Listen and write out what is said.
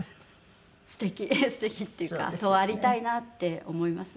素敵っていうかそうありたいなって思いますね。